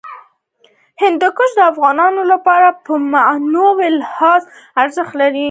هندوکش د افغانانو لپاره په معنوي لحاظ ارزښت لري.